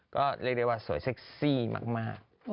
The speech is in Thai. ก็เรียกได้ว่าสวยเซ็กซี่มาก